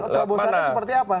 terobosannya seperti apa